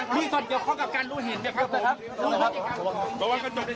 มีตัดเกี่ยวข้องกับการรู้เห็นเนี้ยครับผมครับครับ